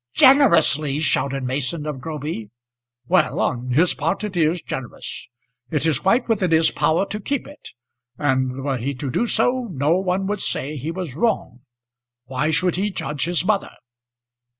"Generously!" shouted Mason of Groby. "Well, on his part it is generous. It is quite within his power to keep it; and were he to do so no one would say he was wrong. Why should he judge his mother?"